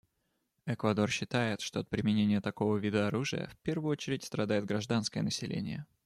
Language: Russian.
Эквадор считает, что от применения такого вида оружия в первую очередь страдает гражданское население.